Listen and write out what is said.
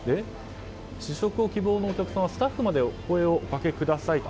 試食を希望のお客様はスタッフまでお声がけくださいと。